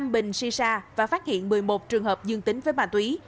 năm bình shisha và phát hiện một mươi một trường hợp dương tính với ma túy